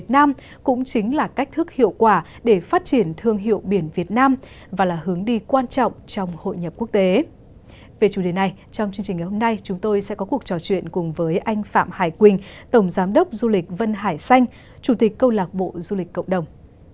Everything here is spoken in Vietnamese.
về chương trình ngày hôm nay chúng tôi sẽ có cuộc trò chuyện cùng với anh phạm hải quỳnh tổng giám đốc du lịch vân hải xanh chủ tịch câu lạc bộ du lịch cộng đồng